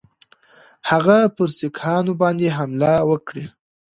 هغه پر سیکهانو باندي حمله وکړي.